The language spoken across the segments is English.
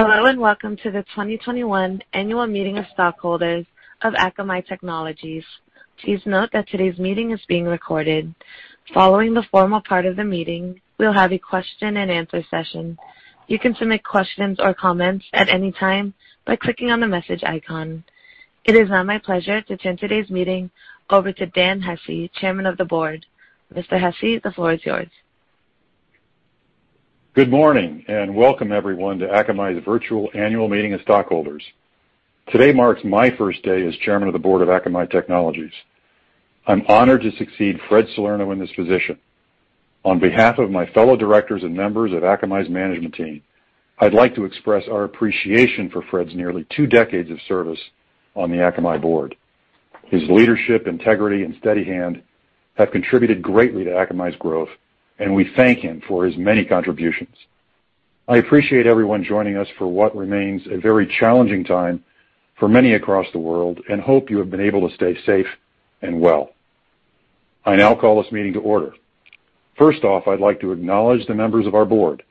Hello and welcome to the 2021 Annual Meeting of Stockholders of Akamai Technologies. Please note that today's meeting is being recorded. Following the formal part of the meeting, we'll have a question and answer session. You can submit questions or comments at any time by clicking on the message icon. It is now my pleasure to turn today's meeting over to Dan Hesse, Chairman of the Board. Mr. Hesse, the floor is yours. Good morning and welcome, everyone, to Akamai's virtual annual meeting of stockholders. Today marks my first day as Chairman of the Board of Akamai Technologies. I'm honored to succeed Fred Salerno in this position. On behalf of my fellow directors and members of Akamai's management team, I'd like to express our appreciation for Fred's nearly two decades of service on the Akamai Board. His leadership, integrity, and steady hand have contributed greatly to Akamai's growth, and we thank him for his many contributions. I appreciate everyone joining us for what remains a very challenging time for many across the world and hope you have been able to stay safe and well. I now call this meeting to order. First off, I'd like to acknowledge the members of our board,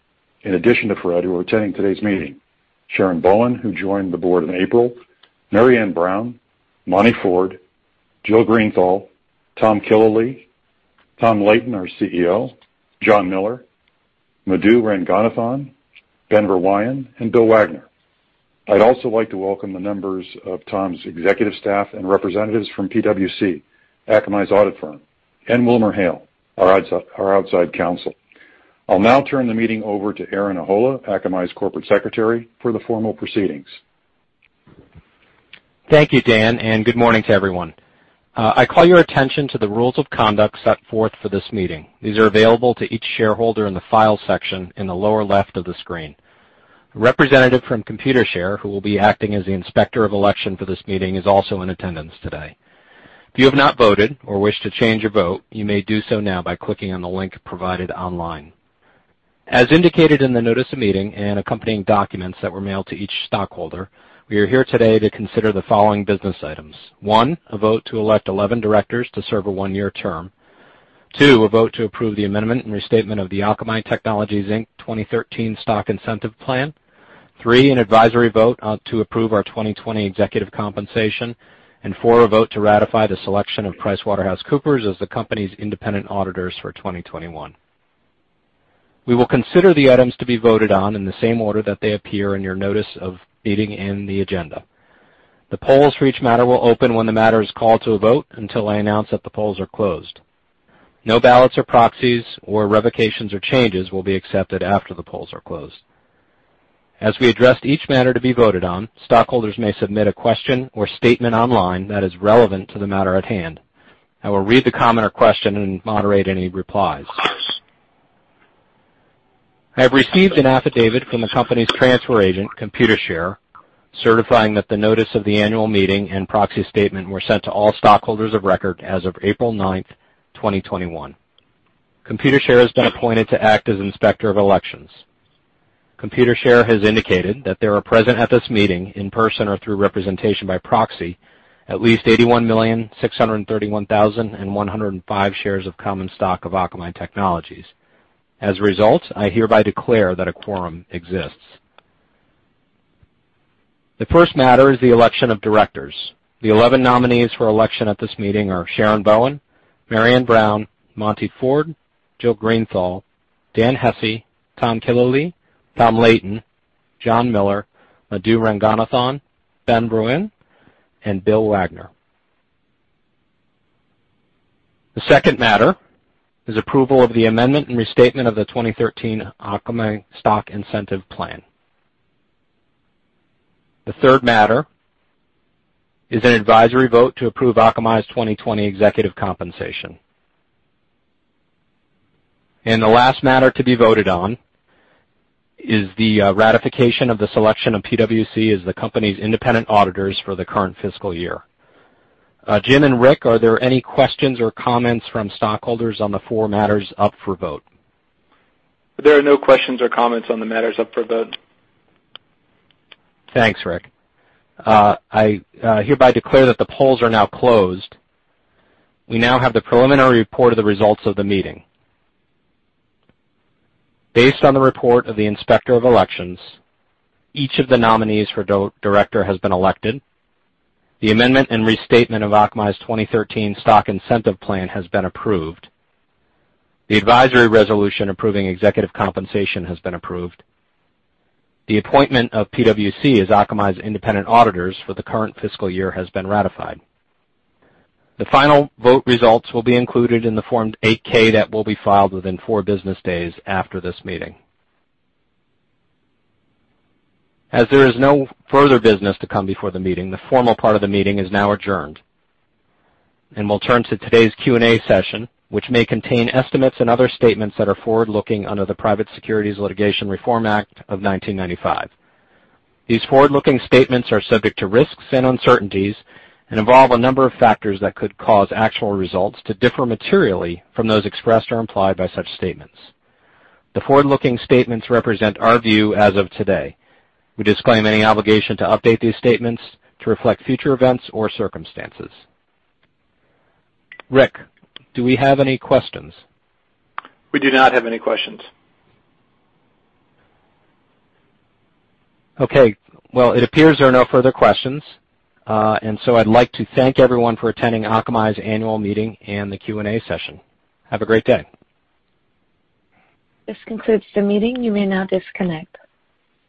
in addition to Fred, who are attending today's meeting: Sharon Bowen, who joined the board in April; Marianne Brown; Monte Ford; Jill Greenthal; Tom Killalea; Tom Leighton, our CEO; Jon Miller; Madhu Ranganathan; Ben Verwaayen; and Bill Wagner. I'd also like to welcome the members of Tom's executive staff and representatives from PwC, Akamai's audit firm; and WilmerHale, our outside counsel. I'll now turn the meeting over to Aaron Ahola, Akamai's corporate secretary, for the formal proceedings. Thank you, Dan, and good morning to everyone. I call your attention to the rules of conduct set forth for this meeting. These are available to each shareholder in the File section in the lower left of the screen. A representative from Computershare, who will be acting as the inspector of election for this meeting, is also in attendance today. If you have not voted or wish to change your vote, you may do so now by clicking on the link provided online. As indicated in the notice of meeting and accompanying documents that were mailed to each stockholder, we are here today to consider the following business items: one, a vote to elect 11 directors to serve a one-year term; two, a vote to approve the amendment and restatement of the Akamai Technologies, Inc., 2013 Stock Incentive Plan; three, an advisory vote to approve our 2020 executive compensation; and four, a vote to ratify the selection of PricewaterhouseCoopers as the company's independent auditors for 2021. We will consider the items to be voted on in the same order that they appear in your notice of meeting and the agenda. The polls for each matter will open when the matter is called to a vote until I announce that the polls are closed. No ballots or proxies or revocations or changes will be accepted after the polls are closed. As we addressed each matter to be voted on, stockholders may submit a question or statement online that is relevant to the matter at hand. I will read the comment or question and moderate any replies. Yes. I have received an affidavit from the company's transfer agent, Computershare, certifying that the notice of the annual meeting and proxy statement were sent to all stockholders of record as of April 9, 2021. Computershare has been appointed to act as inspector of elections. Computershare has indicated that there are present at this meeting, in person or through representation by proxy, at least 81,631,105 shares of common stock of Akamai Technologies. As a result, I hereby declare that a quorum exists. The first matter is the election of directors. The 11 nominees for election at this meeting are Sharon Bowen, Marianne Brown, Monte Ford, Jill Greenthal, Dan Hesse, Tom Killalea, Tom Leighton, Jon Miller, Madhu Ranganathan, Ben Verwaayen, and Bill Wagner. The second matter is approval of the amendment and restatement of the 2013 Akamai Stock Incentive Plan. The third matter is an advisory vote to approve Akamai's 2020 executive compensation. And the last matter to be voted on is the ratification of the selection of PwC as the company's independent auditors for the current fiscal year. Jim and Rick, are there any questions or comments from stockholders on the four matters up for vote? There are no questions or comments on the matters up for vote. Thanks, Rick. I hereby declare that the polls are now closed. We now have the preliminary report of the results of the meeting. Based on the report of the inspector of elections, each of the nominees for director has been elected, the amendment and restatement of Akamai's 2013 Stock Incentive Plan has been approved, the advisory resolution approving executive compensation has been approved, the appointment of PwC as Akamai's independent auditors for the current fiscal year has been ratified. The final vote results will be included in the Form 8-K that will be filed within four business days after this meeting. As there is no further business to come before the meeting, the formal part of the meeting is now adjourned and we'll turn to today's Q&A session, which may contain estimates and other statements that are forward-looking under the Private Securities Litigation Reform Act of 1995. These forward-looking statements are subject to risks and uncertainties and involve a number of factors that could cause actual results to differ materially from those expressed or implied by such statements. The forward-looking statements represent our view as of today. We disclaim any obligation to update these statements to reflect future events or circumstances. Rick, do we have any questions? We do not have any questions. Okay. Well, it appears there are no further questions, and so I'd like to thank everyone for attending Akamai's annual meeting and the Q&A session. Have a great day. This concludes the meeting. You may now disconnect.